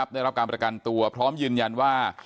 ได้รับการประกันตัวพร้อมยืนยันว่า